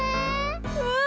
うん！